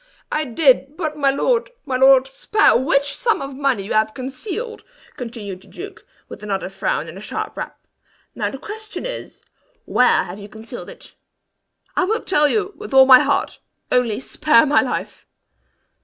"I did; but my lord, my lord, spare " "Which sum of money you have concealed," continued the duke, with another frown and a sharp rap. "Now the question is, where have you concealed it?" "I will tell you, with all my heart, only spare my life!"